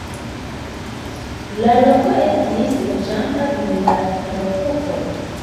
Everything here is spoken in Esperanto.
La loko estis loĝata dum la ferepoko.